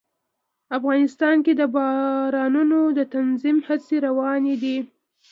افغانستان کې د بارانونو د تنظیم هڅې روانې دي.